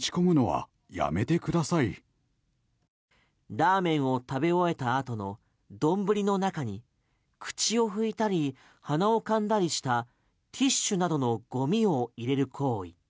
ラーメンを食べ終えた後の丼の中に口を拭いたり、鼻をかんだりしたティッシュなどのゴミを入れる行為。